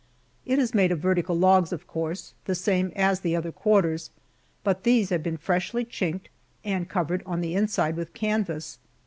It is made of vertical logs of course, the same as the other quarters, but these have been freshly chinked, and covered on the inside with canvas.